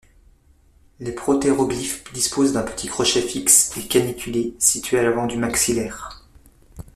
Les protéroglyphes disposent d'un petit crochet fixe et caniculé situé à l'avant du maxilaire.